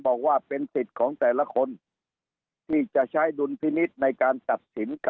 บอกว่าเป็นสิทธิ์ของแต่ละคนที่จะใช้ดุลพินิษฐ์ในการตัดสิน